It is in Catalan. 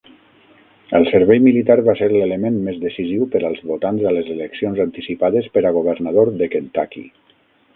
El servei militar va ser l'element més decisiu per als votants a les eleccions anticipades per a governador de Kentucky.